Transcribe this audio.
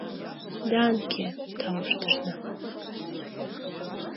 — Данке! — тауштышна.